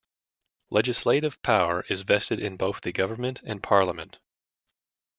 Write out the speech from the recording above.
Legislative power is vested in both the government and parliament.